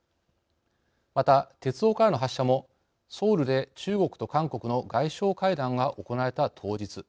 また、鉄道からの発射もソウルで中国と韓国の外相会談が行われた当日。